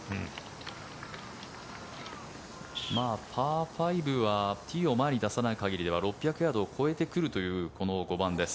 パー５はティーを前に出さない限りは６００ヤードを超えてくるというこの５番です。